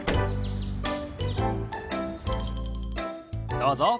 どうぞ。